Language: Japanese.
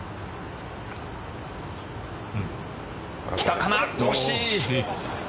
きたかな、惜しい。